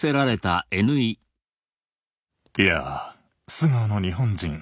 いや「素顔の日本人」